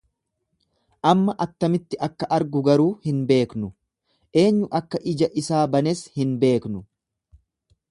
Amma attamitti akka argu garuu hin beeknu, eenyu akka ija isaa banes hin beeknu.